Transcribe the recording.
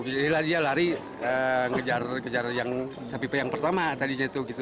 jadi dia lari ngejar kejar yang sapi yang pertama tadi